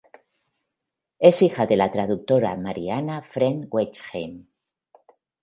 Es hija de la traductora Mariana Frenk-Westheim.